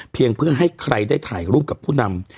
เพื่อให้ใครได้ถ่ายรูปกับผู้นำ